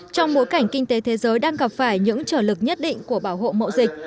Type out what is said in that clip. trong bối cảnh kinh tế thế giới đang gặp phải những trở lực nhất định của bảo hộ mậu dịch